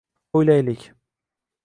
O’ylaylik.